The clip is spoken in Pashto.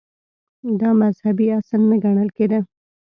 • دا مذهبي اصل نه ګڼل کېده.